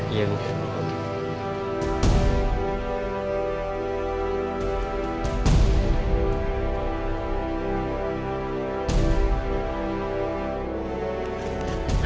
ibu gak apa apa kan